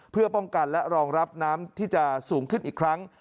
เพื่อป้องกันและรองรับน้ำที่จะสูงขึ้นอีกครั้ง